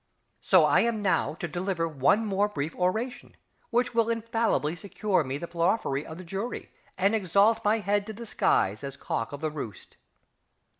So I am now to deliver one more brief oration, which will infallibly secure me the plerophory of the jury and exalt my head to the skies as Cock of the Roost.